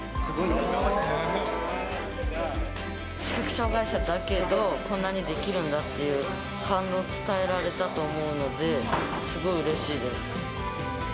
視覚障がい者だけど、こんなにできるんだっていう感動を伝えられたと思うので、すごいうれしいです。